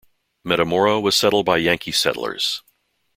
Metamora was settled by Yankee settlers.